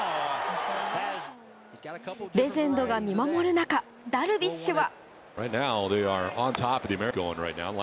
レジェンドが見守る中ダルビッシュは。